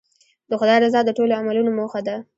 د خدای رضا د ټولو عملونو موخه ده.